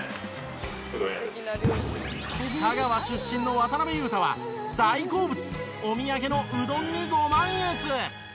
香川出身の渡邊雄太は大好物お土産のうどんにご満悦。